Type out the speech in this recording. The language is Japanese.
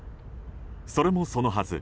それもそのはず。